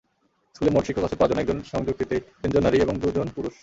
স্কুলে মোট শিক্ষক আছেন পাঁচজন, একজন সংযুক্তিতেসহ তিনজন নারী এবং দুজন পুরুষ।